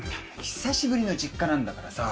久しぶりの実家なんだからさ